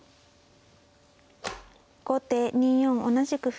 後手２四同じく歩。